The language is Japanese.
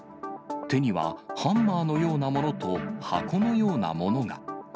手にはハンマーのようなものと、箱のようなものが。